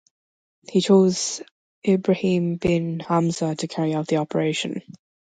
He chose Ibrahim bin Hamza to carry out the operation.